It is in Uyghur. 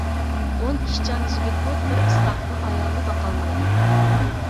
ئون ئىشچان يىگىتمۇ بىر ئىسراپخور ئايالنى باقالمايدۇ.